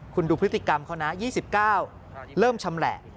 คุณดูพฤติกรรมเขานะ๒๙เริ่มชำแหละ